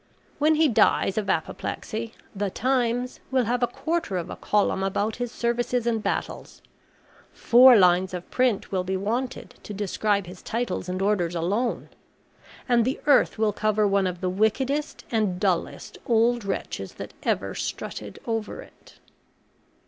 When he dies of apoplexy, THE TIMES will have a quarter of a column about his services and battles four lines of print will be wanted to describe his titles and orders alone and the earth will cover one of the wickedest and dullest old wretches that ever strutted over it.